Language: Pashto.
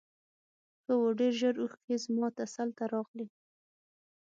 ښه و ډېر ژر اوښکې زما تسل ته راغلې.